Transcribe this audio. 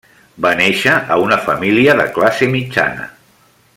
Va néixer a una família de classe mitjana.